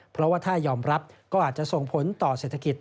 เพราะว่าถ้ายอมรับก็อาจจะส่งผลต่อเศรษฐกิจ